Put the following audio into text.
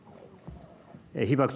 被爆地